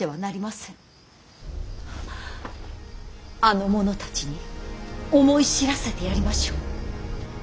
あの者たちに思い知らせてやりましょう。